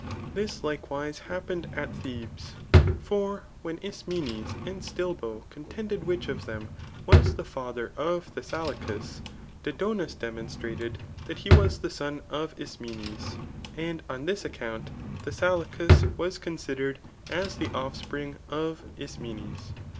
This likewise happened at Thebes ; for when Ismenes and Stilbo contended which of them was the father of Thessalicus, Dodonis demonstrated that he was the son of Ismenes; and on this account Thessalicus was con sidered as the offspring of Ismenes.